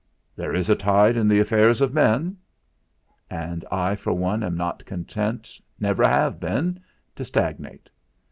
'There is a tide in the affairs of men' and I for one am not content, never have been, to stagnate.